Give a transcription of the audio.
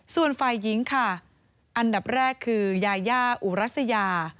ส่วนฝ่ายหญิงค่ะอันดับแรกคือยายาอุรัสยา